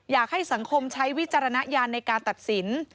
อยากให้สังคมใช้วิจารณญาณในการตัดสิน